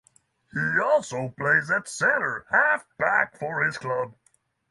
He also plays at centre half back for his club.